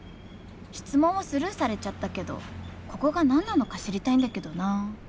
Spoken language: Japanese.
質問をスルーされちゃったけどここが何なのか知りたいんだけどな。